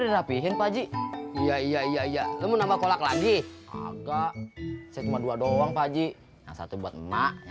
sampai jumpa di video selanjutnya